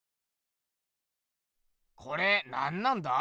これなんなんだ？